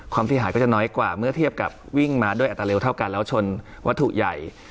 ที่หายก็จะน้อยกว่าเมื่อเทียบกับวิ่งมาด้วยอัตราเร็วเท่ากันแล้วชนวัตถุใหญ่